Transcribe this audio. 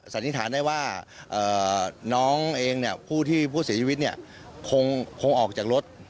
สันนิษฐานได้ว่าน้องเองผู้ที่ผู้เสียชีวิตคงออกจากรถ